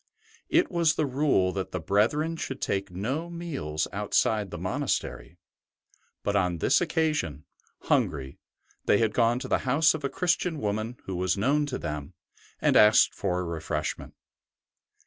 It was the rule that the brethren should take no meals outside the monastery; but on this occasion, feeling 8i 6 82 ST. BENEDICT hungry, they had gone to the house of a Christian woman who was known to them and asked for refreshment.